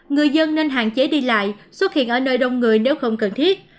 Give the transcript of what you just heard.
người dân nên hạn chế đi lại xuất hiện ở nơi đông người nếu không cần thiết